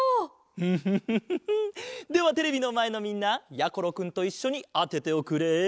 フフフフフではテレビのまえのみんなやころくんといっしょにあてておくれ。